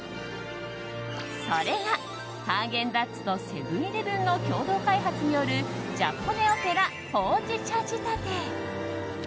それが、ハーゲンダッツとセブン‐イレブンの共同開発によるジャポネオペラほうじ茶仕立て。